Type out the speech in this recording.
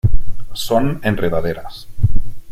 Son enredaderas.